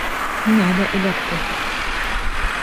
Һиңә лә эләкте.